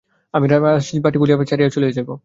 আমি রাজবাটী ছাড়িয়া চলিয়া যাইব।